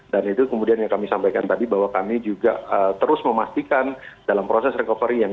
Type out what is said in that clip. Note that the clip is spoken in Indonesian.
dan itu kemudian yang kami sampaikan tadi bahwa kami juga terus memastikan dalam proses recovery